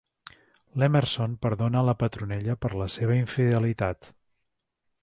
L'Emerson perdona la Petronella per la seva infidelitat.